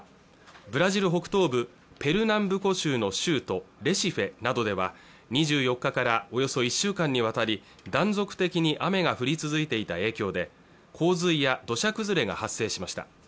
ブラジル北東部ペルナンブコ州の州都レシフェなどでは２４日からおよそ１週間にわたり断続的に雨が降り続いていた影響で洪水や土砂崩れが発生しました